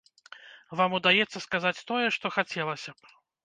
Вам удаецца сказаць тое, што хацелася б?